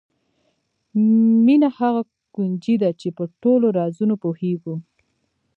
مینه هغه کونجي ده چې په ټولو رازونو پوهېږو.